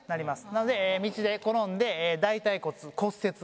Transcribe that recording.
なので道で転んで大腿骨骨折。